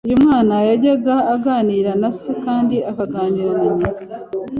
uyu mwana yajyaga aganira na se kandi akaganira na nyina